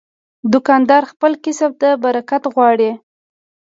دوکاندار خپل کسب ته برکت غواړي.